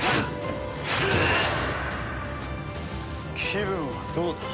気分はどうだ？